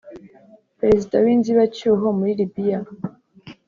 perezida w’inzibacyuho muri Libiya